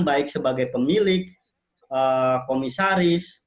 baik sebagai pemilik komisaris